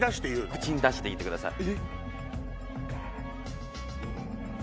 口に出して言ってください。